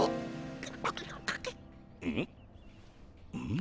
ん？